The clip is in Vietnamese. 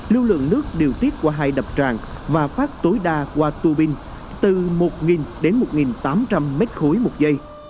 lưu lượng nước điều tiết qua hai đập tràng và phát tối đa qua tu binh từ một đến một tám trăm linh mét khối một giây